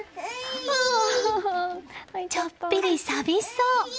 ちょっぴり寂しそう。